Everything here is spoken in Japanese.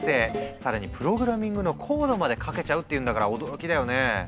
更にプログラミングのコードまで書けちゃうっていうんだから驚きだよね。